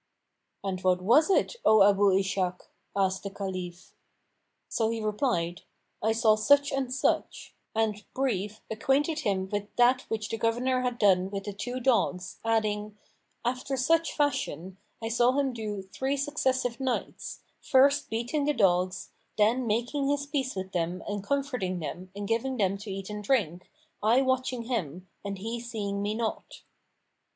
"And what was it, O Abu Ishak?" asked the Caliph. So he replied, "I saw such and such;" and, brief, acquainted him with that which the governor had done with the two dogs, adding, "After such fashion, I saw him do three successive nights, first beating the dogs, then making his peace with them and comforting them and giving them to eat and drink, I watching him, and he seeing me not."